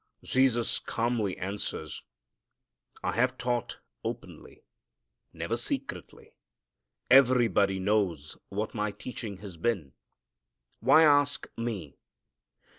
Jesus calmly answers. "I have taught openly, never secretly; everybody knows what my teaching has been. Why ask Me?